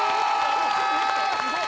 すごい！